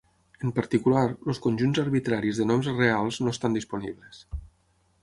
En particular, els conjunts arbitraris de nombres reals no estan disponibles.